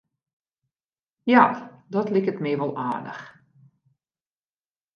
Ja, dat liket my wol aardich.